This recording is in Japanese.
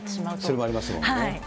それもありますもんね。